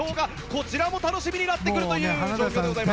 こちらも楽しみになってくるという状況でございます！